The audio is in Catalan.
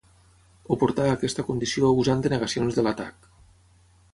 O portar a aquesta condició usant denegacions de l'atac.